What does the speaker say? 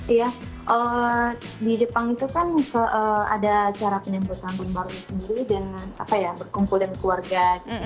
iya di jepang itu kan ada acara penyambutan tahun baru sendiri dengan berkumpul dengan keluarga